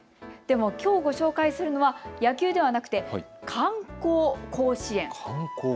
でもきょうご紹介するのは野球ではなくて観光甲子園。